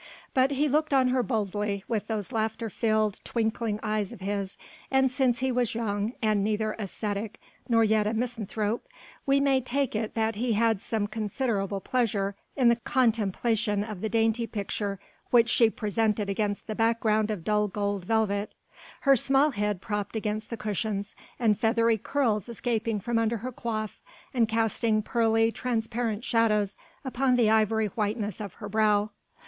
But he looked on her boldly with those laughter filled, twinkling eyes of his and since he was young and neither ascetic nor yet a misanthrope, we may take it that he had some considerable pleasure in the contemplation of the dainty picture which she presented against the background of dull gold velvet: her small head propped against the cushions, and feathery curls escaping from under her coif and casting pearly, transparent shadows upon the ivory whiteness of her brow.